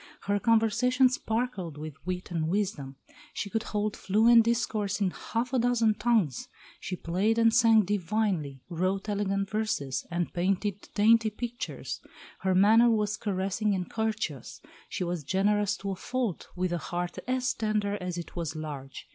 Her conversation sparkled with wit and wisdom; she could hold fluent discourse in half a dozen tongues; she played and sang divinely, wrote elegant verses, and painted dainty pictures. Her manner was caressing and courteous; she was generous to a fault, with a heart as tender as it was large.